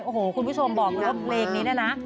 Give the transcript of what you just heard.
โอ้โฮคุณผู้ชมบอกว่าเพลงนี้นะนะ